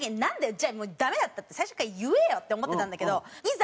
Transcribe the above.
じゃあダメだったら最初から言えよって思ってたんだけどいざ